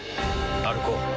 歩こう。